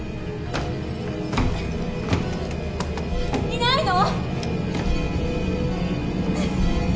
いないの？